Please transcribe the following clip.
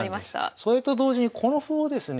それと同時にこの歩をですね